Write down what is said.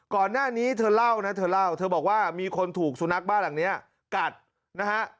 ก่อนหน้านี้เธอเล่านะเธอเล่าเธอบอกว่ามีคนถูกสุนัขบ้านหลังนี้กัดนะฮะ